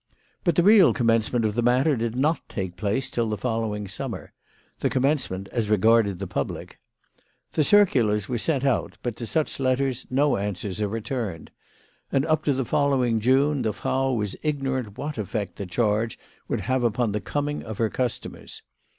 But the real commencement of the matter did not take place till the following summer, the commence ment as regarded the public. The circulars were sent out, but to such letters no answers are returned ; and up to the following June the Frau was ignorant what effect the charge would have upon the coming of her customers.